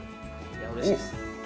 うれしいです。